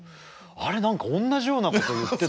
あれ何かおんなじようなこと言ってたな。